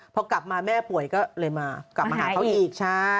พอกลับมาแม่ป่วยก็เลยมาหาเขาอีก